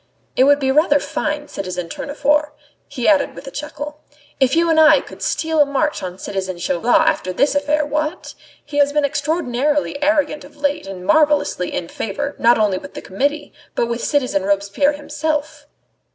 It would be rather fine, citizen Tournefort," he added with a chuckle, "if you and I could steal a march on citizen Chauvelin over this affair, what? He has been extraordinarily arrogant of late and marvellously in favour, not only with the Committee, but with citizen Robespierre himself."